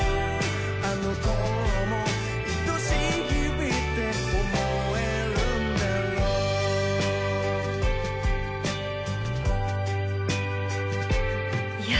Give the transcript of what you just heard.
あの頃も愛しい日々って想えるんだろういや